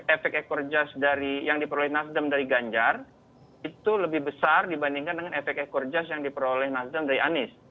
efek ekor jas yang diperoleh nasdem dari ganjar itu lebih besar dibandingkan dengan efek ekor jas yang diperoleh nasdem dari anies